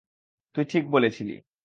তুই ঠিক বলেছিলি।